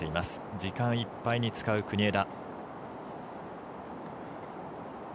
時間いっぱいに使う国枝。